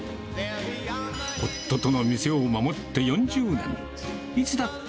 夫との店を守って４０年。